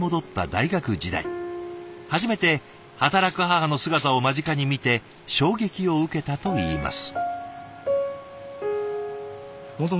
初めて働く母の姿を間近に見て衝撃を受けたといいます。